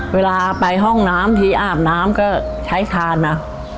เวลาไปห้องน้ำทีอาบน้ำก็ใช้คานมา